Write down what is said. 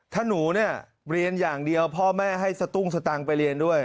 ถ้าหนูเนี่ยเรียนอย่างเดียวพ่อแม่ให้สตุ้งสตังค์ไปเรียนด้วย